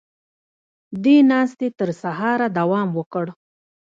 دې ناستې تر سهاره دوام وکړ.